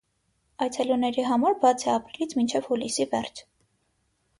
Այցելուների համար բաց է ապրիլից մինչև հուլիսի վերջ։